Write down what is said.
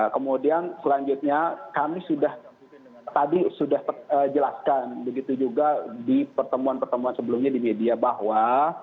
kemudian selanjutnya kami sudah tadi sudah jelaskan begitu juga di pertemuan pertemuan sebelumnya di media bahwa